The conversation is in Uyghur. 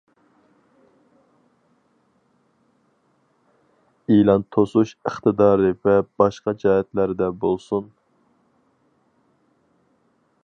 ئېلان توسۇش ئىقتىدارى ۋە باشقا جەھەتلەردە بولسۇن.